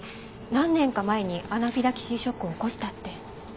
何年か前にアナフィラキシーショックを起こしたって。